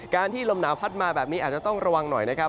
ที่ลมหนาวพัดมาแบบนี้อาจจะต้องระวังหน่อยนะครับ